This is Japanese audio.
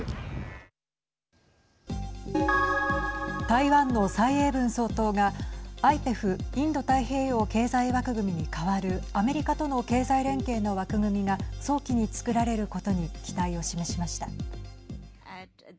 台湾の蔡英文総統がＩＰＥＦ＝インド太平洋経済枠組みに代わるアメリカとの経済連携の枠組みが早期につくられることに期待を示しました。